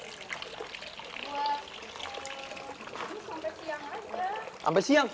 ini sampai siang aja